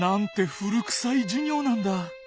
古くさい授業なんだ。